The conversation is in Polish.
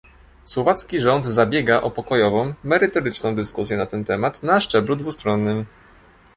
Słowacki rząd zabiega o pokojową, merytoryczną dyskusję na ten temat na szczeblu dwustronnym